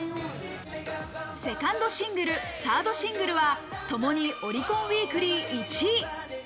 セカンドシングル、サードシングルはともにオリコンウィークリー１位。